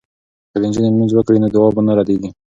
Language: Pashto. که نجونې لمونځ وکړي نو دعا به نه ردیږي.